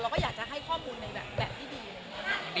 เราอยากจะให้ข้อมูลในแบบแบบที่ดี